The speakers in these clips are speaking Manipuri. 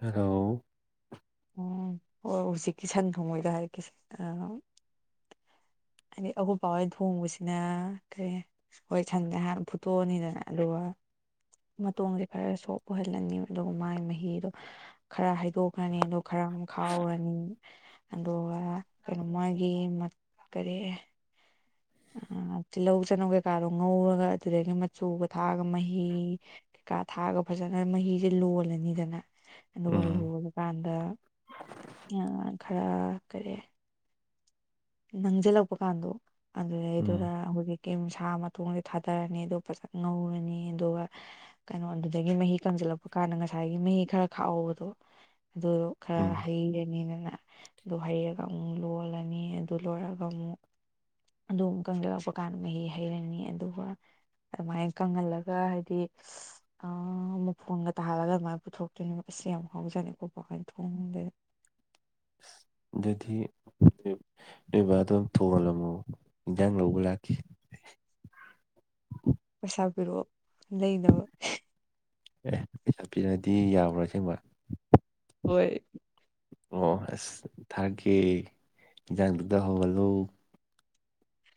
ꯍꯜꯂꯣ ꯎꯝ ꯍꯣꯏ ꯍꯧꯖꯤꯛꯀꯤ ꯁꯟ ꯊꯣꯡꯕꯩꯗꯣ ꯍꯥꯏꯔꯛꯀꯦꯁꯦ ꯑ ꯍꯥꯏꯗꯤ ꯑꯩꯈꯣꯢ ꯕꯥꯍꯣꯆꯢ ꯊꯣꯡꯕꯁꯤꯅ ꯀ꯭ꯔꯦ [inaudible] ꯍꯣꯏ ꯁꯟꯁꯦ ꯍꯥꯟꯅ ꯐꯨꯠꯇꯣꯛ ꯑꯅꯤꯗꯅ ꯑꯗꯨꯒ ꯃꯇꯣꯡꯗꯣ ꯈꯔ ꯁꯣꯞ ꯑꯣꯢꯍꯜꯂꯅꯤ ꯑꯗꯨꯒ ꯃꯥꯒꯤ ꯃꯍꯤꯗꯣ ꯈꯔ ꯍꯩꯗꯣꯛꯈ꯭ꯔꯅꯤ ꯑꯗꯨꯒ ꯈꯔ ꯑꯃ ꯈꯥꯛꯍꯧꯔꯅꯤ ꯑꯗꯨꯒ ꯀꯩꯅꯣ ꯃꯥꯒꯤ ꯀꯔꯤ ꯑ ꯇꯤꯜꯍꯧ ꯆꯅꯝ ꯀꯩꯀꯥꯗꯣ ꯉꯧꯔꯒ ꯑꯗꯨꯗꯒꯤ ꯃꯆꯨꯒ ꯊꯥꯛꯑꯒ ꯃꯍꯤ ꯀꯥ ꯊꯥꯛꯑꯒ ꯐꯖꯅ ꯃꯍꯤꯁꯦ ꯂꯣꯜꯂꯅꯤꯗꯅ ꯑꯗꯨꯒ ꯎꯝ ꯂꯣꯜꯂꯀꯥꯟꯗ ꯑ ꯈꯔ ꯀꯔꯤ ꯅꯪꯁꯤꯜꯂꯛꯄ ꯀꯥꯟꯗꯣ ꯑꯗꯨꯗꯩ ꯗꯨꯗ ꯎꯝ ꯑꯩꯈꯣꯏꯒꯤ ꯁꯥ ꯃꯇꯣꯡꯗ ꯊꯥꯗꯔꯅꯤ ꯑꯗꯨ ꯐꯖ ꯉꯧꯔꯅꯤ ꯑꯗꯨꯒ ꯀꯩꯅꯣ ꯑꯗꯨꯗꯒꯤ ꯃꯍꯤ ꯀꯪꯁꯤꯜꯂꯛꯄ ꯀꯥꯟꯗ ꯉꯁꯥꯏꯒꯤ ꯃꯍꯤ ꯈꯔ ꯈꯥꯛꯍꯧꯕꯗꯣ ꯑꯗꯨꯗꯣ ꯈꯔ ꯎꯝ ꯍꯩꯔꯅꯤꯗꯅ ꯑꯗꯨ ꯍꯩꯔꯒ ꯑꯃꯨꯛ ꯂꯣꯜꯂꯅꯤ ꯑꯗꯨ ꯂꯣꯏꯔꯒ ꯑꯃꯨꯛ ꯑꯗꯨꯃꯨꯛ ꯀꯪꯗꯔꯛꯄ ꯀꯥꯟꯗ ꯃꯍꯤ ꯍꯩꯔꯅꯤ ꯑꯗꯨꯒ ꯑꯗꯨꯃꯥꯏ ꯀꯪꯍꯜꯂꯒ ꯍꯥꯏꯗꯤ ꯑ ꯃꯐꯣꯟꯒ ꯇꯥꯍꯜꯂꯒ ꯑꯗꯨꯃꯥꯏꯅ ꯄꯨꯊꯣꯛꯇꯣꯏꯅꯦꯕ ꯑꯁ ꯌꯥꯝ ꯍꯥꯎꯖꯥꯅꯤ ꯑꯩꯈꯣꯢ ꯄꯥꯍꯣꯢꯅ ꯊꯣꯡꯕꯗꯤ ꯑꯗꯨꯗꯤ ꯅꯣꯏꯕꯥ ꯑꯗꯨꯝ ꯊꯣꯡꯍꯜꯂꯝꯃꯣ ꯏꯟꯖꯥꯡ ꯂꯧꯕ ꯂꯥꯛꯀꯦ ꯄꯩꯁꯥ ꯄꯤꯔꯛꯑꯣ ꯂꯩꯅꯕ ꯑꯦ ꯄꯩꯁꯥ ꯄꯤꯔꯗꯤ ꯌꯥꯕ꯭ꯔꯣ ꯑꯁꯦꯡꯕ ꯍꯣꯏ ꯑꯣ ꯑꯁ ꯊꯥꯔꯛꯀꯦ ꯏꯟꯖꯥꯡꯗꯨꯗ ꯍꯥꯎꯍꯜꯂꯣ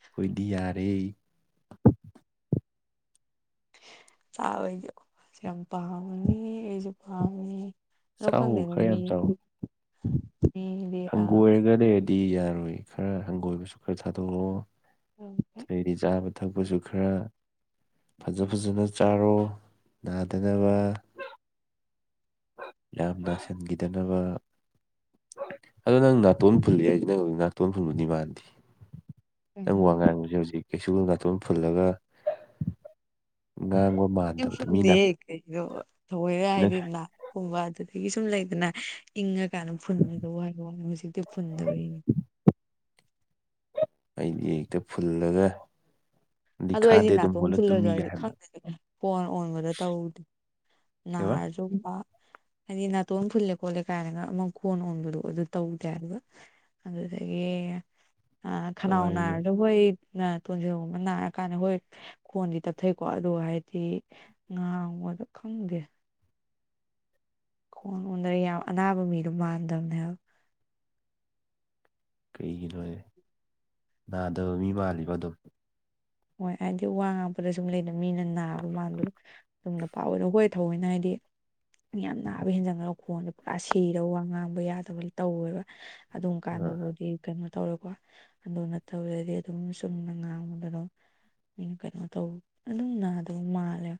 ꯑꯩꯈꯣꯏꯗꯤ ꯌꯥꯔꯦ ꯆꯥꯕꯩꯗꯤ ꯌꯥꯝ ꯄꯥꯝꯃꯅꯤ ꯑꯩꯁꯨ ꯄꯥꯝꯃꯦ ꯆꯥꯎ ꯂꯣꯈꯪꯗꯅ ꯈꯔ ꯃꯤ ꯌꯥꯝ ꯆꯥꯎ ꯎꯝ [inaudible] ꯍꯪꯒꯣꯏꯔꯒ ꯂꯩꯔꯗꯤ ꯌꯥꯔꯣꯏ ꯈꯔ ꯍꯪꯒꯣꯏꯕꯁꯨ ꯈꯔ ꯊꯥꯗꯣꯛꯑꯣ [unintelligible] ꯆꯒꯅꯨ ꯊꯛꯄꯁꯨ ꯈꯔ ꯐꯖ ꯐꯖꯅ ꯆꯥꯔꯣ ꯅꯥꯗꯅꯕ ꯌꯥꯝ ꯅꯁꯤꯟꯈꯤꯗꯅꯕ ꯑꯗꯣ ꯅꯪ ꯅꯥꯇꯣꯟ ꯐꯨꯜꯂꯤ ꯍꯥꯏꯁꯦ ꯅꯪ ꯅꯥꯇꯣꯟ ꯐꯨꯟꯕꯗꯤ ꯃꯥꯟꯗꯦ ꯅꯪ ꯋꯥ ꯉꯥꯡꯕꯁꯦ ꯍꯧꯖꯤꯛ ꯀꯩꯁꯨ ꯅꯥꯇꯣꯟ ꯐꯨꯜꯂꯒ ꯉꯥꯡꯕ ꯃꯥꯟꯗꯕꯗꯣ ꯃꯤꯅ ꯐꯪꯗꯦꯍꯦ ꯀꯩꯅꯣ ꯊꯑꯣꯏꯅ ꯍꯥꯏꯗꯤ ꯅꯥꯛꯀꯨꯝꯕ ꯑꯗꯨꯗꯒꯤ ꯁꯨꯝ ꯂꯩꯗꯅ ꯏꯪꯉꯀꯥꯟꯗ ꯐꯨꯟꯕ ꯋꯥ ꯍꯥꯏꯕ ꯋꯥꯅꯤ ꯍꯧꯖꯤꯛꯇꯤ ꯐꯨꯟꯗꯕꯒꯤꯅꯦ ꯑꯩꯗꯤ ꯍꯦꯛꯇ ꯐꯨꯜꯂꯒ ꯑꯗꯨ ꯑꯩꯗꯤ ꯂꯤꯈꯥꯗꯤ ꯑꯗꯨꯝ ꯅꯥꯇꯣꯟ ꯍꯣꯜꯂ ꯐꯨꯜꯂꯁꯨ ꯇꯨꯝꯃꯤꯒ ꯍꯥꯏꯗꯤ ꯍꯥꯏꯕꯗꯣ ꯈꯪꯗꯦꯗ ꯈꯣꯟ ꯑꯣꯟꯕꯗꯣ ꯇꯧꯗꯦ ꯅꯥꯥ ꯀꯩꯕ ꯑꯗꯨꯒꯨꯝꯕ [inaudible] ꯍꯥꯏꯗꯤ ꯅꯥꯇꯣꯟ ꯐꯨꯜꯂꯦ ꯈꯣꯠꯂꯦ ꯀꯥꯅꯒ ꯑꯃ ꯈꯣꯟ ꯑꯣꯟꯕꯗꯣ ꯑꯗꯨ ꯇꯧꯗ꯭ꯔꯦ ꯑꯗꯨꯒ ꯑꯗꯨꯗꯒꯤ ꯈꯅꯥꯎ ꯀꯃꯥꯏꯅꯅꯣ ꯅꯥꯔꯒꯕꯨ ꯑꯩ ꯅꯥꯇꯣꯟꯖꯦꯒꯨꯝꯕ ꯅꯥꯔꯒ [inaudible] ꯀꯥꯏꯅ ꯍꯣꯏ ꯈꯣꯟꯗꯤ ꯇꯞꯊꯩꯀꯣ ꯑꯗꯣ ꯍꯥꯏꯗꯤ ꯉꯥꯡꯕꯗ ꯈꯪꯗꯦ ꯈꯨꯡꯒꯪꯗ ꯌꯥꯝ ꯑꯅꯥꯕ ꯃꯤꯗꯣ ꯃꯥꯟꯗꯕꯅꯦꯕ [inaudible] ꯀꯩꯒꯤꯅꯣ ꯍꯥꯢꯁꯦ ꯅꯥꯗꯕ ꯃꯤ ꯃꯥꯜꯂꯤꯕ ꯑꯗꯨꯝ ꯍꯣꯏ ꯍꯥꯏꯗꯤ ꯋꯥ ꯉꯥꯡꯄꯗ ꯁꯨꯝ ꯂꯩꯅ ꯃꯤꯅ ꯅꯥꯕ ꯃꯥꯟꯕꯗꯣ [unintelligible] ꯊꯧꯑꯣꯏꯅ ꯍꯥꯏꯗꯤ ꯌꯥꯝ ꯅꯥꯕ ꯍꯦꯟꯖꯟꯒꯂ ꯈꯣꯟꯁꯦ ꯄꯨꯔꯥ ꯁꯤꯔ ꯋꯥ ꯉꯥꯡꯕ ꯌꯥꯗꯕ ꯇꯧꯋꯦꯕ ꯑꯗꯨꯝ ꯀꯥꯟꯗꯕꯨꯗꯤ ꯀꯩꯅꯣ ꯇꯧꯔꯀꯣ ꯑꯗꯨ ꯅꯠꯇꯧꯗꯗꯤ ꯑꯗꯨꯝ ꯆꯨꯝꯅ ꯉꯥꯡꯕꯗ ꯑꯗꯨꯝ ꯃꯤꯅ ꯀꯩꯅꯣ ꯇꯧ ꯑꯗꯨꯝ ꯅꯥꯗ ꯃꯥꯜꯂꯦ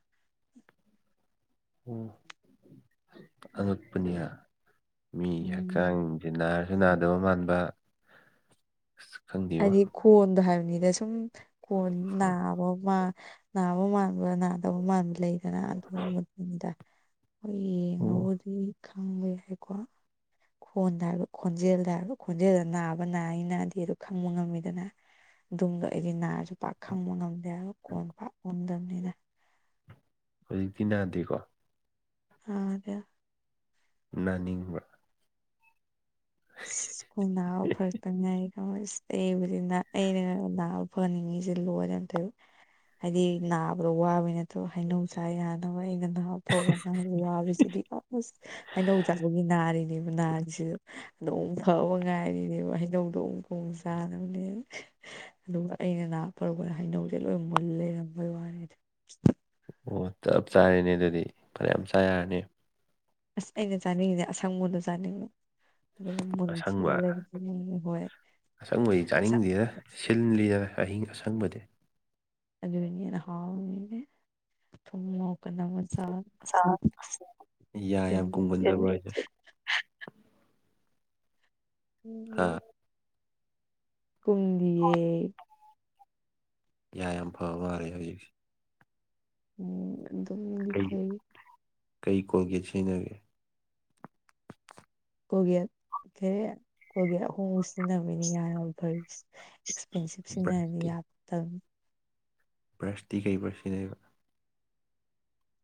ꯎꯝ ꯑꯉꯛꯄꯅꯦ ꯃꯤ ꯎꯝ ꯍꯛꯆꯥꯡꯁꯦ ꯅꯥꯔꯁꯨ ꯅꯥꯗꯕ ꯃꯥꯟꯕ ꯑꯁ ꯈꯪꯗꯦꯕꯣ ꯍꯥꯏꯗꯤ ꯈꯣꯟꯗꯣ ꯍꯥꯏꯕꯅꯤꯗ ꯁꯨꯝ ꯈꯣꯟ ꯅꯥꯕ ꯃꯥꯟ ꯅꯥꯕ ꯃꯥꯟꯕ ꯅꯥꯗꯕ ꯃꯥꯟꯕ ꯂꯩꯗꯅ ꯑꯗꯨꯨꯝꯕ ꯗꯨꯅꯤꯗ ꯑꯣ ꯈꯪꯕ ꯍꯥꯏꯀꯣ ꯈꯣꯟꯗ ꯍꯥꯏꯕ ꯈꯣꯟꯖꯦꯜꯗ ꯍꯥꯏꯕ ꯈꯣꯟꯖꯦꯜꯗ ꯅꯥꯕ ꯅꯥꯏ ꯅꯥꯗꯦꯗꯣ ꯈꯪꯕ ꯉꯝꯃꯤꯗꯅ ꯑꯗꯨꯗꯣ ꯑꯩꯗꯤ ꯅꯥꯔꯁꯨ ꯄꯥꯛ ꯈꯪꯕ ꯉꯝ ꯉꯝꯗꯦꯕ ꯈꯣꯟ ꯄꯥꯜ ꯑꯣꯟꯗꯅꯤꯅ ꯍꯧꯖꯤꯛꯇꯤ ꯅꯥꯗꯦꯀꯣ ꯅꯥꯗꯦꯗ ꯅꯥꯅꯤꯡꯕ ꯁ꯭ꯀ ꯅꯥꯕ ꯐꯔꯛꯇ ꯉꯥꯏꯔꯤ [unintelligible] ꯑꯩꯕꯨꯗꯤ ꯑꯩꯅ ꯅꯥꯕ ꯐꯍꯅꯤꯡꯉꯁꯦ ꯂꯣꯏꯔꯦ ꯑꯃꯨꯛꯇꯣꯏꯕ ꯍꯥꯏꯗꯤ ꯅꯥꯕꯗꯣ ꯋꯥꯕꯩ ꯅꯠꯇ꯭ꯔꯕ ꯍꯩꯅꯎ ꯆꯥꯏ ꯌꯥꯅꯕ ꯑꯩꯅ ꯉꯍꯥꯛ ꯐꯕꯕꯝ ꯋꯥꯕꯁꯤꯗꯤ ꯋꯥꯕꯁꯤꯗꯤ ꯍꯩꯅꯧ ꯆꯥꯕꯒꯤ ꯅꯥꯔꯤꯅꯦ ꯅꯤꯔꯤꯁꯤꯁꯨ ꯑꯗꯨꯛ ꯐꯕ ꯉꯥꯏꯔꯤꯅꯦꯕ ꯍꯩꯅꯧꯗꯣ ꯑꯃꯨꯛ ꯆꯥꯅꯕꯅꯦ ꯑꯗꯨꯒ ꯑꯩꯅ ꯅꯕꯥ ꯐꯔꯛꯄꯗ ꯍꯩꯅꯧꯁꯦ ꯂꯣꯏ ꯃꯨꯜ ꯂꯩꯔꯝꯕꯩ ꯋꯥꯅꯤꯗ ꯑꯣ ꯆꯞ ꯆꯥꯔꯅꯦ ꯑꯗꯨꯗꯤ ꯐꯅꯌꯥꯝ ꯆꯥ ꯌꯥꯔꯅꯤ ꯑꯁ ꯑꯩꯅ ꯆꯥꯅꯤꯡꯉꯤꯁꯦ ꯑꯁꯪꯕꯗꯣ ꯆꯥꯅꯤꯡꯕ ꯑꯁꯪꯕ ꯑꯁꯪꯕꯗꯤ [unintelligible] ꯆꯥꯅꯤꯡꯗꯦꯗ ꯁꯤꯜꯂꯤꯗꯅ ꯑꯍꯤꯡ ꯑꯁꯪꯕꯗꯤ ꯑꯗꯨꯅꯤꯅ ꯍꯥꯎꯕꯅꯦ ꯊꯨꯝ ꯃꯣꯔꯣꯛꯀ ꯅꯝꯃ ꯆꯥꯕ ꯑꯁ [unintelligible] ꯌꯥ ꯌꯥꯝ ꯀꯨꯝꯒꯟꯗꯕ꯭ꯔꯣꯏ ꯍꯥꯏꯁꯦ ꯍꯥ ꯀꯨꯟꯗꯤꯌꯦ ꯌꯥ ꯌꯥꯝ ꯐꯕ ꯃꯥꯟꯂꯦ ꯍꯧꯖꯤꯛꯁꯦ ꯎꯝ ꯑꯗꯨꯝꯗꯤ ꯀꯩ ꯐꯩ ꯀꯩ ꯀꯣꯜꯒꯦꯠ ꯁꯤꯖꯤꯟꯅꯒꯦ ꯀꯣꯜꯒꯦꯠ ꯁꯦ ꯀꯣꯜꯒꯦꯠ ꯑꯍꯣꯡꯕ ꯁꯤꯖꯤꯟꯅꯕꯩꯅꯦ ꯌꯥ ꯌꯥꯝ ꯐꯔꯤꯁꯦ ꯑꯦꯛꯁꯄꯦꯟꯁꯤꯞ ꯁꯤꯖꯤꯟꯅꯔꯗꯤ ꯕ꯭ꯔꯁꯇꯤ ꯌꯥꯛꯇꯕꯅꯤ ꯕ꯭ꯔꯁꯇꯤ ꯀꯩ ꯕꯔ ꯁꯤꯅꯦꯩꯕ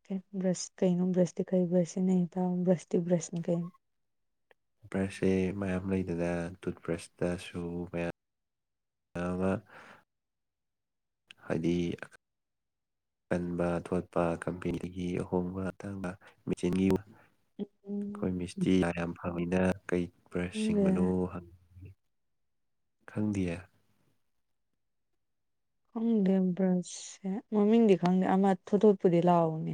ꯀ ꯭ꯔꯁ ꯀꯩ ꯅꯅꯨꯡ ꯭ꯔꯁꯗꯤ ꯀꯩ ꯕꯁ ꯅ ꯄꯥꯎ ꯭ꯔꯁꯗꯤ ꯭ꯔꯁ ꯅ ꯀꯩ ꯕ꯭ꯔꯁꯦ ꯃꯌꯥꯝ ꯂꯩꯗꯅ ꯇꯨꯠꯄꯕ꯭ꯔꯁꯇꯁꯨ ꯃꯌꯥꯝ ꯑꯕ ꯍꯥꯏꯗꯤ ꯀꯟꯕ ꯊꯣꯠꯄ ꯀꯝꯄꯦꯅꯤꯒꯤ ꯑꯍꯣꯡꯕ ꯃꯇꯥꯡꯗ ꯃꯦꯆꯤꯟꯒꯤ ꯑꯩꯈꯣꯏ ꯃꯤꯁꯇꯤ ꯌꯥ ꯌꯥꯝ ꯐꯪꯅꯤꯅ ꯀꯩ ꯕ꯭ꯔꯁ ꯈꯪꯗꯦ ꯁꯦꯡꯕꯅꯣ ꯈꯪꯗꯤꯌꯦ ꯈꯪꯗꯦ ꯕ꯭ꯔꯁꯁꯦ ꯃꯃꯤꯡꯗꯤ ꯈꯪꯗꯦ ꯑꯃ ꯊꯣꯠꯊꯣꯠꯄꯨꯗꯤ ꯂꯥꯛꯎꯅꯦ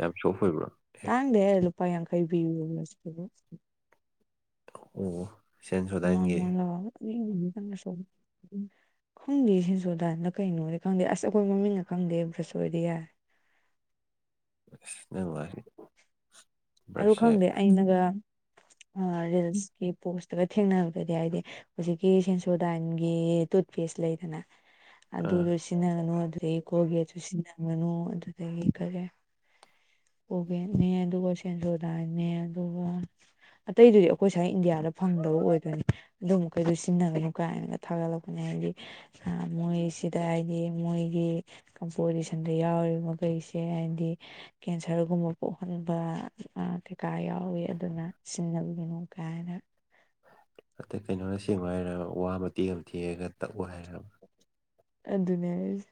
ꯌꯥꯝ ꯁꯣꯐ ꯑꯣꯏꯕ꯭ꯔꯣ ꯇꯥꯡꯗꯦꯍꯦꯀ ꯂꯨꯄ ꯌꯪꯈꯩ ꯄꯤꯕ ꯕ꯭ꯔꯁꯇꯨꯕꯨ ꯑꯣ [inaudible] ꯂ ꯁꯣꯗꯥꯏꯟꯒꯤ ꯂ ꯁ [unintelligible] [inaudible] ꯍꯨꯝꯗꯤ ꯁꯤꯁꯨꯣꯗꯥꯗ ꯀꯩꯅꯣꯗꯤ ꯈꯪꯗꯦ ꯑꯁ ꯑꯩꯈꯣꯏ ꯃꯃꯤꯡꯅ ꯈꯪꯗꯦ ꯑꯃꯨ ꯆꯠ ꯁꯣꯏꯔꯗꯤ ꯌꯥꯔꯦ ꯦ [unintelligible] [inaudible] ꯑꯗꯨ ꯈꯪꯗꯦ ꯑꯩꯅꯒ ꯔꯤꯜꯁꯀꯤ ꯄꯣꯁꯇꯒ ꯊꯦꯡꯅꯔꯗꯗꯤ ꯍꯥꯏꯗꯤ ꯍꯧꯖꯤꯛꯀꯤ ꯁꯦꯟꯁꯣꯗꯥꯟꯒꯤ ꯇꯨꯠꯄꯦꯁ ꯂꯩꯗꯅ ꯑꯥ ꯑꯗꯨꯗꯨ ꯆꯟꯅꯒꯅꯨ ꯑꯗꯨꯗꯒꯤ ꯀꯣꯒ ꯑꯗꯨ ꯆꯟꯅꯒꯅꯨ ꯑꯗꯨꯗꯒꯤ ꯈꯔꯦ ꯍꯒꯦ ꯅ ꯑꯗꯨ ꯀꯁꯦꯟ ꯆꯗꯥ ꯅ ꯑꯗꯨꯒ ꯑꯇꯩꯗꯨꯗꯤ ꯑꯩꯈꯣꯏ ꯁꯥꯏꯅ ꯏꯟꯗꯤꯌꯥꯗ ꯐꯪꯗꯕ ꯑꯣꯏꯗꯣꯏꯅꯤ ꯑꯗꯨꯝ ꯃꯈ ꯃꯈꯩꯗꯣ ꯁꯤꯖꯤꯟꯅꯒꯅꯨ ꯀꯥꯏꯅꯒ ꯊꯥꯒꯠꯂꯛꯄꯅꯤ ꯍꯥꯏꯕꯗꯤ ꯃꯣꯏ ꯁꯤꯗ ꯍꯥꯏꯗꯤ ꯃꯣꯏꯒꯤ ꯀꯝꯄꯣꯖꯤꯁꯟꯗ ꯌꯥꯎꯔꯤꯕ ꯃꯈꯩꯁꯦ ꯍꯥꯏꯗꯤ ꯀꯦꯟꯁꯔꯒꯨꯝꯕ ꯄꯣꯛꯍꯟꯕ ꯇꯩꯀꯥ ꯌꯥꯎꯋꯤ ꯑꯗꯨꯅ ꯁꯤꯖꯤꯟꯅꯕꯤꯒꯤꯅꯨ ꯀꯥꯏꯅ ꯑꯇꯩ ꯀꯩꯅꯣꯅ ꯁꯦꯝꯦꯡꯉ ꯍꯥꯏꯔ ꯋꯥ ꯃꯇꯦꯛ ꯑꯃ ꯊꯦꯛꯉꯒ ꯇꯛꯎ ꯍꯥꯏꯕ ꯑꯗꯨꯅꯦ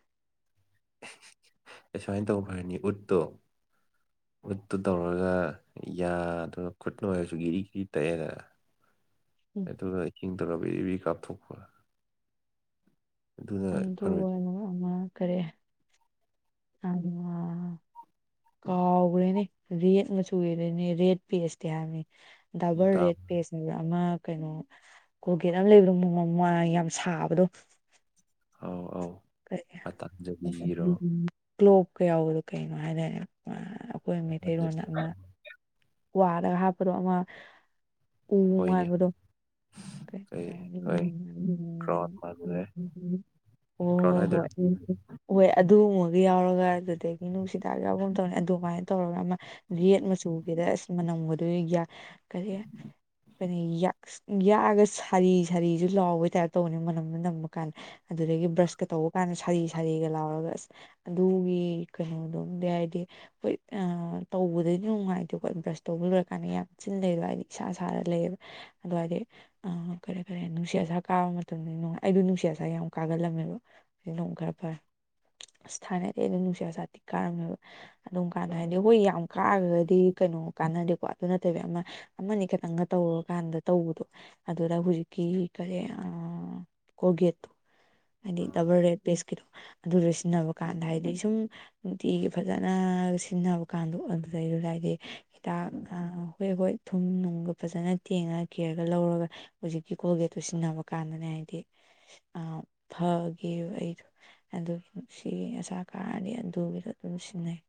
ꯑꯁꯨꯃꯥꯏꯅ ꯇꯧ ꯐ꯭ꯔꯅꯤ ꯎꯠꯇꯣ ꯎꯠꯇꯨ ꯇꯧꯔꯒ ꯌꯥ ꯑꯗꯨꯒ ꯈꯨꯠ ꯂ ꯑꯣꯏꯔꯁꯨ ꯒꯤꯔꯤ ꯒꯤꯔꯤ ꯇꯛꯑꯦꯗꯅ [unintelligible] [inaudible] ꯑꯩ ꯇ ꯍ ꯆꯤꯡꯇ ꯄꯕꯤ ꯀꯥꯞꯊꯣꯛꯄꯄ ꯑꯗꯨ ꯑꯣꯏ ꯈꯔꯦ ꯑ [inaudible] ꯀꯥꯎꯈ꯭ꯔꯦꯅꯦ ꯔꯦꯠ ꯃꯆꯨ ꯑꯣꯏꯔꯦꯅꯦ ꯔꯦꯠ ꯄꯦꯁꯇꯤ ꯍꯥꯏꯕꯅꯤ ꯗꯕꯜ ꯗꯥꯝ ꯔꯦꯠ ꯄꯦꯁꯅꯦꯕ ꯑꯃ ꯀꯩꯅꯣ ꯀꯣꯜꯒꯦꯠ ꯑꯃ ꯂꯩꯕꯗꯣ ꯃꯃ ꯃ ꯌꯥꯝ ꯁꯥꯕꯗꯣ ꯑꯧ ꯑꯧ ꯃꯇꯥꯡꯖꯕꯤꯕꯤꯔꯣ ꯀ꯭ꯂꯣꯞꯀ ꯌꯥꯎꯕꯗꯣ ꯀꯩꯅꯣ ꯍꯥꯏꯇꯥꯔꯦ ꯑꯩꯈꯣꯏ ꯃꯩꯇꯩꯔꯣꯟꯗ ꯄꯇꯥꯟꯖꯂꯤꯔꯣ ꯋꯥꯔꯒ ꯍꯥꯞꯄꯗꯣ ꯑꯃ ꯎ ꯍꯣꯏꯅꯦ ꯃꯥꯟꯕꯗꯣ ꯀꯩ ꯍꯣꯏ [unintelligible] ꯀ꯭ꯔꯥꯎꯟ ꯃꯥꯟꯕꯅꯦ [inaudible] ꯀ꯭ꯔꯥꯎꯟ ꯑꯣ ꯍꯣ ꯍꯥꯏꯗꯣꯏꯔꯣ [unintelligible] [inaudible] ꯍꯦ ꯑꯗꯨꯒꯨꯝꯕꯒ ꯌꯥꯎꯔꯒ ꯑꯗꯨꯗꯒꯤ ꯅꯨꯡꯁꯤꯗꯥꯛ ꯌꯥꯎꯕ ꯑꯃ ꯇꯧꯅꯤ ꯑꯗꯨꯃꯥꯏꯅ ꯇꯧꯔꯒ ꯑꯃ ꯔꯦꯠ ꯃꯆꯨꯒꯦꯗ ꯑꯁ ꯃꯅꯝꯗꯨ ꯀꯔꯤ ꯀ ꯌꯥꯛꯑꯒ ꯁꯥꯔꯤ ꯁꯥꯔꯤꯁꯨ ꯂꯥꯎꯕꯩ ꯇꯥꯏꯞ ꯇꯧꯕꯅꯤ ꯃꯅꯝꯅ ꯅꯝꯕ ꯀꯥꯟꯗ ꯑꯗꯨꯗꯒꯤ ꯕ꯭ꯔꯁ ꯀ ꯇꯧꯕ ꯀꯥꯟꯗ ꯁꯥꯗꯤ ꯁꯥꯔꯤꯒ ꯂꯥꯎꯔꯒ ꯑꯁ ꯑꯗꯨꯒꯤ ꯀꯩꯅꯣꯗꯣꯝꯗꯤ ꯍꯥꯏꯗꯤ ꯍꯈꯣꯏ ꯇꯧꯕꯗꯗꯤ ꯅꯨꯡꯉꯥꯏꯇꯦꯀꯣ ꯕ꯭ꯔꯁ ꯇꯧꯕ ꯂꯣꯏꯔꯀꯥꯟꯗ ꯌꯥꯝ ꯆꯤ ꯂꯩꯕ ꯍꯥꯏꯗꯤ ꯏꯁꯥ ꯏꯁꯥꯅ ꯂꯩꯌꯦꯕ ꯑꯒꯦ [unintelligible] [inaudible] ꯑ ꯀꯔꯦ ꯀꯔꯦ ꯅꯨꯡꯁꯤꯠ ꯑꯁꯥ ꯀꯥꯕ ꯃꯇꯝꯗ ꯅꯨꯡꯉꯥꯏ ꯑꯩꯗ ꯅꯨꯡꯁꯤꯠ ꯑꯁꯥ ꯌꯥꯝ ꯀꯥꯒꯜꯂꯝꯃꯦꯕ ꯅꯣꯡ ꯈꯔ ꯐꯔꯦ ꯑꯁ ꯊꯥꯏꯅꯗꯤ ꯑꯗꯨꯝ ꯅꯨꯡꯁꯤꯠ ꯑꯁꯥꯇꯤꯛ ꯀꯥꯔꯝꯃꯦꯕ ꯑꯗꯨꯝ ꯀꯥꯟꯗ ꯍꯥꯏꯗꯤ ꯍꯣꯏ ꯌꯥꯝ ꯀꯥꯔꯒꯗꯤ ꯀꯩꯅꯣ ꯀꯥꯟꯅꯗꯦꯀꯣ ꯑꯗꯨ ꯅꯠꯇꯕ ꯌꯥꯝꯅ ꯑꯃꯅꯤ ꯈꯇꯪꯒ ꯇꯧꯔꯀꯥꯟꯗ ꯇꯧꯕꯗꯣ ꯑꯗꯨꯗ ꯍꯧꯖꯤꯛꯀꯤ ꯀꯔꯤ ꯑ ꯀꯣꯜꯒꯦꯠꯇꯣ ꯍꯥꯏꯗꯤ ꯎꯝ ꯗꯕꯜ ꯔꯦꯗ ꯕꯦꯁꯀꯤꯗꯣ ꯑꯗꯨꯗꯣ ꯁꯤꯖꯤꯟꯅꯕ ꯀꯥꯟꯗ ꯍꯥꯏꯗꯤ ꯁꯨꯝ ꯅꯨꯡꯇꯤꯒꯤ ꯐꯖꯅ ꯁꯤꯖꯤꯟꯅꯕ ꯀꯥꯟꯗ ꯑꯣꯏꯕꯗꯩ ꯑꯗꯨ ꯍꯥꯏꯗꯤ ꯍꯤꯗꯥꯛ ꯍꯣꯏ ꯍꯈꯣꯏ ꯊꯨꯝ ꯅꯨꯡꯒ ꯐꯖꯅ ꯇꯦꯡꯉ ꯀꯦꯔꯒ ꯂꯧꯔꯒ ꯍꯧꯖꯤꯛꯀꯤ ꯀꯣꯜꯒꯦꯠꯇꯣ ꯁꯤꯖꯤꯟꯅꯕ ꯀꯥꯟꯗꯅꯦ ꯍꯥꯏꯗꯤ ꯑ ꯐꯒꯦ ꯑꯩꯗꯣ ꯑꯗꯨ ꯁꯤꯒꯤ ꯑꯁꯥ ꯀꯥꯔꯗꯤ ꯑꯗꯨꯒꯤꯗ ꯑꯗꯨꯝ ꯁꯤꯟꯅꯩ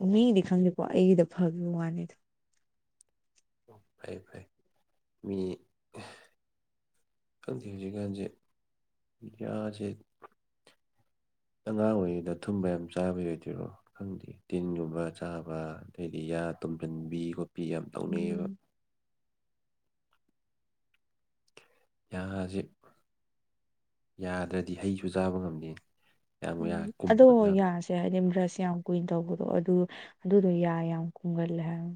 ꯑꯣ ꯃꯤꯗꯤ ꯈꯪꯗꯦꯀꯣ ꯑꯩꯒꯤꯗ ꯐꯈꯤꯕ ꯋꯥꯅꯤꯗ ꯐꯩ ꯐꯩ ꯃꯤ ꯈꯪꯗꯛ ꯍꯧꯖꯤꯛꯀꯥꯟꯁꯦ ꯃꯤꯗꯤꯌꯥꯁꯦ ꯑꯉꯥꯡ ꯑꯣꯏꯔꯤꯉꯩꯗ ꯊꯨꯝꯕ ꯌꯥꯝ ꯆꯥꯕ ꯌꯥ ꯑꯣꯏꯗꯣꯏꯔꯣ ꯈꯪꯗꯦ ꯇꯤꯟꯒꯨꯝꯕ ꯆꯥꯕ ꯑꯗꯩꯗꯤ ꯌꯥ ꯇꯨꯝꯁꯤꯟꯕꯤ ꯈꯣꯠꯄꯤ ꯌꯥꯝ ꯇꯧꯅꯩꯑꯕ ꯎꯝ ꯌꯥꯁꯤ ꯌꯥꯗ꯭ꯔꯗꯤ ꯍꯩꯁꯨ ꯆꯥꯕ ꯉꯝꯗꯦ ꯀꯌꯥꯃꯨꯛ ꯌꯥꯔꯦ ꯎꯝ ꯑꯗꯣ ꯀꯨꯝꯕ ꯃꯌꯥꯝ ꯌꯥ ꯍꯥꯏꯗꯤ ꯕ꯭ꯔꯁ ꯌꯥꯝ ꯀꯨꯏꯅ ꯇꯧꯕꯗꯣ ꯑꯗꯨ ꯑꯗꯨꯗꯣ ꯌꯥꯏ ꯌꯥꯝ ꯀꯨꯝꯒꯜꯂꯦ ꯍꯥꯏ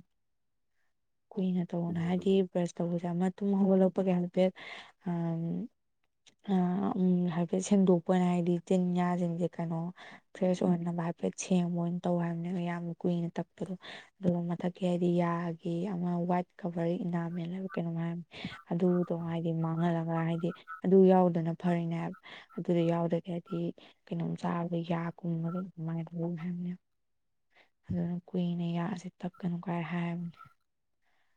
ꯀꯨꯏꯅ ꯇꯧꯅ ꯍꯥꯏꯗꯤ ꯕ꯭ꯔꯁ ꯇꯧꯕꯁꯦ ꯑꯃ ꯑꯗꯨꯨꯝ ꯍꯧꯒꯠꯂꯛꯄꯒꯤ ꯍꯥꯏꯦꯜꯐꯦꯠ ꯎꯝ ꯍꯥꯏꯐꯦꯠ ꯁꯦꯡꯗꯣꯛꯄꯅ ꯍꯥꯏꯗꯤ ꯆꯤꯟ ꯉꯁꯤꯡꯁꯦ ꯀꯩꯅꯣ ꯐ꯭ꯔꯦꯁ ꯑꯣꯏꯅꯕ ꯍꯥꯏꯐꯦꯠ ꯁꯦꯝꯅꯤꯡꯕ ꯑꯣꯏꯅ ꯇꯧ ꯍꯥꯏꯕꯅꯦ ꯌꯥꯝ ꯀꯨꯏꯅ ꯇꯛꯄꯗꯣ ꯑꯗꯨꯒ ꯃꯊꯛꯀꯤ ꯍꯥꯏꯗꯤ ꯌꯥꯒꯤꯦ ꯑꯃ ꯋꯥꯏꯠ ꯈꯕꯔ ꯏꯅꯥꯃꯦ ꯀꯩꯅꯣ ꯍꯥꯏ ꯑꯗꯨꯗꯣ ꯍꯥꯏꯗꯤ ꯃꯥꯡꯍꯜꯂꯒ ꯍꯥꯏꯗꯤ ꯑꯗꯨ ꯌꯥꯎꯗꯅ ꯐꯔꯤꯅꯦ ꯑꯗꯨꯗ ꯌꯥꯎꯗꯒꯦ ꯍꯥꯏꯗꯤ ꯀꯩꯅꯣꯝ ꯆꯥꯔꯗ ꯌꯥꯒꯨꯝꯕꯃꯥꯏꯅ ꯍꯥꯏꯕꯅꯦ ꯑꯗꯨꯅ ꯀꯨꯏꯅ ꯌꯥꯁꯤ ꯇꯞꯀꯅꯨ ꯀꯥꯏꯔ ꯍꯥꯏꯕꯅꯤ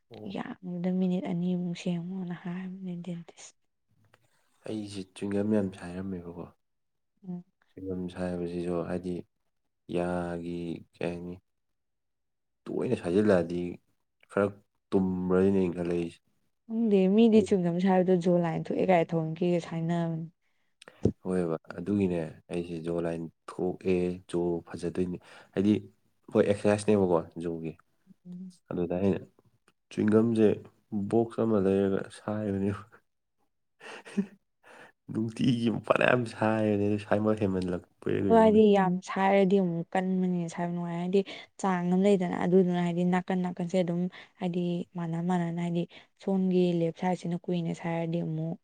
ꯑꯣ ꯌꯥꯝꯕꯗ ꯃꯤꯅꯤꯠ ꯑꯅꯤꯃꯨꯛ ꯁꯦꯝꯦꯡꯉꯣꯅ ꯍꯥꯏꯕꯅꯦ ꯗꯦꯟꯇꯤꯁ ꯑꯩꯁꯦ ꯆꯤꯡꯒꯝ ꯌꯥꯝꯁꯦ ꯍꯥꯏꯔꯝꯃꯦꯕꯀꯣ ꯎꯝ ꯆꯤꯡꯒꯁꯦ ꯍꯥꯏꯕꯁꯤꯁꯨ ꯍꯥꯏꯗꯤ ꯌꯥꯒꯤ ꯀꯩ ꯍꯥꯏꯅꯤ ꯇꯣꯏꯅ ꯁꯥꯖꯤꯜꯂꯛꯑꯗꯤ ꯈꯔ ꯇꯨꯝꯕ꯭ꯔꯅꯤꯅ ꯏꯈꯠꯂꯛꯏꯁꯦ ꯎꯪꯗꯦ ꯃꯤꯗꯤ ꯆꯨꯝꯅꯕ ꯁ ꯍꯥꯏꯕꯗꯣ ꯖꯣ ꯂꯥꯏꯟ ꯊꯣꯛꯑꯦ ꯀꯥꯏ ꯊꯧꯟꯈꯤꯦꯒ ꯁ ꯍꯥꯏꯅꯕꯅꯦ ꯍꯣꯏꯕ ꯑꯗꯨꯒꯤꯅꯦ ꯑꯩꯁꯦ ꯖꯣ ꯂꯥꯏꯟ ꯊꯣꯛꯑꯦ ꯖꯣ ꯐꯖꯗꯣꯏꯅꯦ ꯍꯥꯏꯗꯤ ꯑꯩꯈꯣꯏ ꯑꯦꯛꯁꯔꯁꯥꯏꯁꯅꯦꯕꯀꯣ ꯖꯨꯒꯤ ꯎꯝ ꯑꯗꯨꯗ ꯑꯩꯅ ꯆꯤꯡꯒꯝꯁꯦ ꯕꯣꯛꯁ ꯑꯃ ꯂꯩꯔꯒ ꯁꯥꯏꯕꯅꯦꯕ ꯅꯨꯡꯇꯤꯒꯤ ꯃꯄꯥꯟ ꯌꯥꯝ ꯁꯥꯅꯦ ꯑꯗꯨ ꯁꯥꯏꯃꯣ ꯍꯦꯃꯜꯂꯛꯇ ꯑꯗꯨ ꯍꯥꯏꯗꯤ ꯌꯥꯝ ꯁꯥꯏꯔꯗꯤ ꯑꯃꯨꯛ ꯀꯟꯕꯅꯦ ꯁ ꯅꯨꯡꯉꯥꯏ ꯍꯥꯏꯗꯤ ꯆꯥꯡ ꯑꯃ ꯂꯩꯗꯅ ꯑꯗꯨꯗꯨꯅ ꯍꯥꯏꯗꯤ ꯅꯥꯀꯟ ꯅꯥꯀꯟꯁꯦ ꯑꯗꯨꯝ ꯍꯥꯏꯗꯤ ꯃꯥꯟꯅ ꯃꯥꯟꯅꯅ ꯍꯥꯏꯗꯤ ꯁꯣꯝꯒꯤ ꯂꯦꯞ ꯁꯥꯏꯠꯁꯤꯅ ꯀꯨꯏꯅ ꯁ ꯍꯥꯏꯔꯗꯤ ꯑꯃꯨꯛ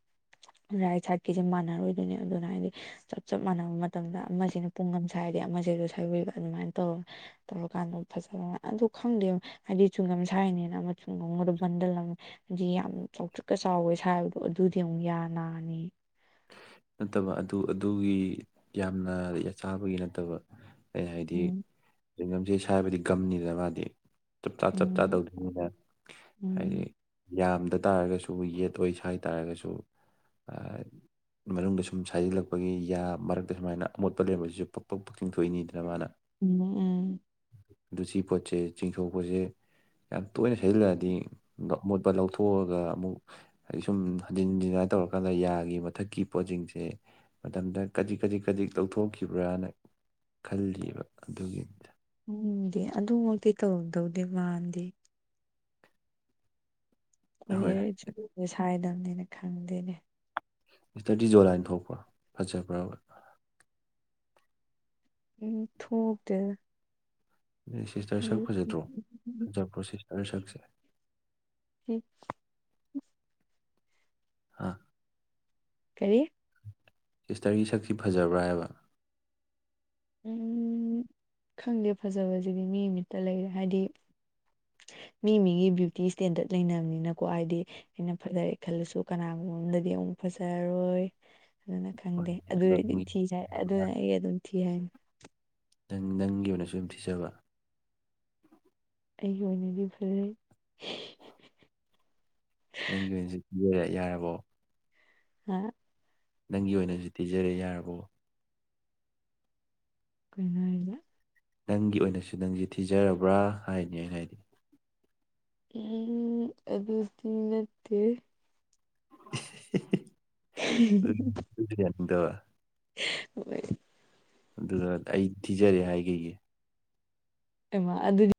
ꯔꯥꯏꯠ ꯁꯥꯏꯠꯀꯤꯁꯦ ꯃꯥꯟꯅꯔꯣꯏꯗꯣꯏꯅꯦ ꯑꯗꯨꯅ ꯍꯥꯏꯗꯤ ꯆꯞ ꯆꯞ ꯃꯥꯟꯅꯕ ꯃꯇꯝꯗ ꯑꯃꯁꯤꯅ ꯄꯨꯡ ꯑꯃ ꯁꯥꯏ ꯍꯥꯏꯔꯗꯤ ꯑꯃꯗ ꯁꯧꯋꯕ ꯑꯗꯨꯃꯥꯏꯅ ꯇꯧꯔꯒ ꯇꯧꯔꯀꯥꯟꯗ ꯐꯖꯕ ꯑꯗꯨ ꯈꯪꯗꯦ ꯍꯥꯏꯗꯤ ꯆꯨꯡꯒꯝ ꯁꯥꯥꯏꯔꯤꯅꯤꯅ ꯑꯃ ꯆꯨꯡꯒꯝꯒꯗ ꯕꯟꯗꯜ ꯑꯃ ꯍꯥꯏ ꯌꯥꯝ ꯆꯥꯎꯊꯤꯛꯀ ꯆꯥꯎꯋꯦ ꯁꯥꯕꯗꯣ ꯑꯗꯨꯗꯤ ꯑꯃꯨꯛ ꯌꯥꯅꯥꯅꯤ ꯅꯠꯇꯕ ꯑꯗꯨ ꯑꯗꯨꯒꯤ ꯌꯥꯝꯅ ꯑꯆꯥꯥꯕꯒꯤ ꯅꯠꯇꯕ ꯑꯩ ꯍꯥꯏꯗꯤ ꯎꯝ ꯆꯤꯡꯒꯝꯁꯦ ꯁꯥꯏꯕꯗꯤ ꯒꯝꯅꯤꯅ ꯃꯥꯗꯤ ꯆꯞ ꯆꯥ ꯆꯞ ꯆꯥ ꯎꯝ ꯇꯧꯗ꯭ꯅꯤꯅ ꯍꯥꯏꯗꯤ ꯎꯝ ꯌꯥꯝꯗ ꯇꯥꯔꯒꯁꯨ ꯌꯦꯠ ꯑꯣꯏꯁ ꯍꯥꯏ ꯇꯥꯔꯒꯁꯨ ꯃꯅꯨꯡꯗ ꯁꯨꯝ ꯁꯥꯖꯤꯜꯂꯛꯄꯒꯤ ꯌꯥ ꯃꯔꯛꯇ ꯁꯨꯃꯥꯏꯅ ꯑꯃꯣꯠꯄ ꯂꯩꯔꯝꯕꯁꯤꯁꯨ ꯄꯛ ꯄ ꯄꯛꯆꯤꯡꯊꯣꯛꯏꯅꯤꯗꯅ ꯃꯥꯅ ꯎꯝ ꯎꯝ ꯑꯗꯨ ꯁꯤ ꯄꯣꯠꯁꯦ ꯆꯤꯡꯊꯣꯛꯄꯁꯦ ꯌꯥꯝ ꯇꯣꯏꯅ ꯁꯩꯖꯤꯜꯂꯛꯑꯗꯤ ꯑꯃꯣꯠꯄ ꯂꯧꯊꯣꯛꯑꯒ ꯑꯃꯨꯛ ꯍꯥꯏꯗꯤ ꯁꯨꯝ ꯍꯟꯖꯤꯟꯖꯤꯟꯥꯏ ꯇꯧꯔꯀꯥꯟꯗ ꯌꯥꯒꯤ ꯃꯊꯛꯀꯤ ꯄꯣꯠꯁꯤꯡꯁꯦ ꯃꯇꯝꯗ ꯀꯔꯤ ꯀꯔꯤ ꯀꯔꯤ ꯇꯧꯊꯣꯛꯈꯤꯕ꯭ꯔꯥꯅ ꯈꯜꯂꯤꯕ ꯑꯗꯨꯒꯤꯅꯤꯗ ꯎꯝꯗꯤ ꯑꯗꯨꯃꯛꯇꯤ ꯇꯧꯗꯧꯗꯦ ꯃꯥꯟꯗꯤ ꯍꯣꯏ ꯀꯣꯏꯦ ꯁꯨꯁꯦ ꯁꯥꯏꯗꯕꯅꯤꯅ ꯈꯪꯗꯦꯅꯦ ꯏꯁꯇꯗꯤ ꯖꯣ ꯂꯥꯏꯟ ꯊꯣꯛꯄ꯭ꯔꯣ ꯐꯖꯕ꯭ꯔꯕ ꯎ ꯊꯣꯛꯣꯛꯗ ꯅ ꯁꯤꯁꯇꯔ ꯁꯛ ꯐꯖꯗ꯭ꯔꯣ ꯐꯖꯕ꯭ꯔꯣ ꯁꯤꯁꯇꯔ ꯁꯛꯁꯦ ꯎꯝ ꯑ ꯀꯔꯤ ꯁꯤꯁꯇꯔꯒꯤ ꯁꯛꯁꯤ ꯐꯖꯕ꯭ꯔꯥ ꯍꯥꯏꯕ ꯎꯝ ꯈꯪꯗꯦ ꯐꯖꯕꯁꯤꯗꯤ ꯃꯤ ꯑꯃꯃꯤꯠꯇ ꯂꯩꯔꯦ ꯍꯥꯏꯗꯤ ꯃꯤ ꯃꯤꯒꯤ ꯕ꯭ꯌꯨꯇꯤ ꯏꯁꯇꯦꯟꯗꯔꯠ ꯂꯩꯅꯕꯅꯤꯅꯀꯣ ꯍꯥꯏꯗꯤ ꯑꯩꯅ ꯐꯖꯔꯦ ꯈꯜꯂꯁꯨ ꯀꯅꯥꯒꯨꯝꯕꯝꯗꯗꯤ ꯑꯃꯨꯛ ꯐꯖꯔꯔꯣꯏ ꯑꯗꯨꯅ ꯍꯣꯏ ꯈꯪꯗꯦ ꯑꯗꯣ ꯑꯗꯨꯗꯗꯤ ꯅꯪꯒꯤ ꯊꯤ ꯑꯗꯨꯅ ꯑꯩ ꯑꯗꯨꯝ ꯊꯤ ꯍꯥꯏꯅꯤ ꯅꯪ ꯅꯪꯒꯤ ꯑꯣꯏꯅꯁꯨ ꯑꯗꯨꯝ ꯊꯤꯖꯕ ꯑꯩꯒꯤ ꯑꯣꯏꯅꯗꯤ ꯐꯖꯩ [unintelligible] ꯅꯪꯒꯤ ꯑꯣꯏꯅꯁꯤ ꯄꯤ ꯌꯥꯔꯕꯣ ꯍ ꯅꯪꯒꯤ ꯑꯣꯏꯅꯁꯨ ꯊꯤꯖꯔꯦ ꯌꯥꯔꯕꯣ ꯀꯈꯣꯏꯅ ꯍꯥꯏꯔꯤꯗ ꯅꯪꯒꯤ ꯑꯣꯏꯅꯁꯨ ꯅꯪꯁꯦ ꯊꯤꯖꯔꯕ꯭ꯔꯥ ꯍꯥꯏꯅꯤ ꯑꯩꯅ ꯍꯥꯏꯗꯤ ꯎꯝ ꯑꯗꯨꯗꯤ ꯅꯠꯇꯦ ꯌꯥꯗ ꯋꯥ ꯑꯣ ꯑꯗꯨꯒ ꯑꯩ ꯊꯤꯖꯔꯦ ꯍꯥꯏꯈꯒꯤ ꯑꯦꯃ ꯑꯗꯨ